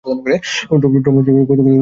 Tom গতকাল Boston উড়ে গেছে।